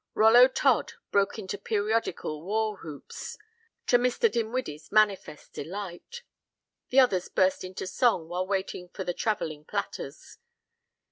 Rollo Todd, broke into periodical war whoops, to Mr. Dinwiddie's manifest delight. The others burst into song, while waiting for the travelling platters.